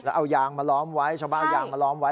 แล้วเอายางมาล้อมไว้ชาวบ้านเอายางมาล้อมไว้